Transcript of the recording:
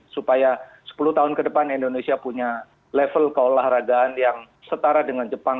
supaya sepuluh tahun ke depan indonesia punya level keolahragaan yang setara dengan jepang